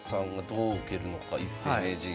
一世名人。